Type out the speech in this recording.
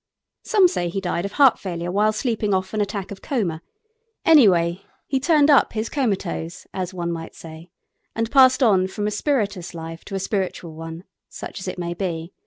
Some say he died of heart failure while sleeping off an attack of coma. Anyway, he turned up his comatose, as one might say, and passed on from a spirituous life to a spiritual one, such as it may be.